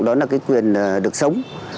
đó là quyền được sống